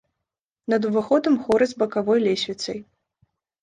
Над уваходам хоры з бакавой лесвіцай.